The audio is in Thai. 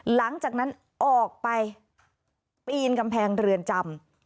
หลังจากนั้นออกไปปีนกำแพงเรือนจำ